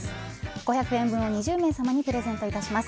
５００円分を２０名様にプレゼントいたします。